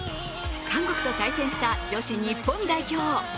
韓国と対戦した女子日本代表。